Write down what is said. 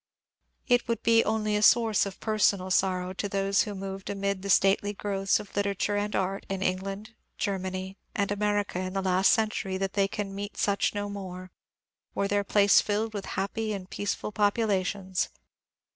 It would be only a source of personal sorrow to those who moved amid the stately growths of literature and Bxt in Eng land, Germany, and America in the last century that they can meet such no more, were their place filled with happy and peaceful populations.